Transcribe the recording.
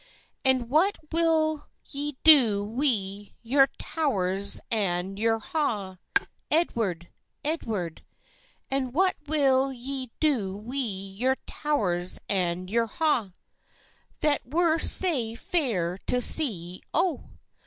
"And what will ye do wi' your tow'rs and your ha', Edward, Edward? And what will ye do wi' your tow'rs and your ha', That were sae fair to see, O?"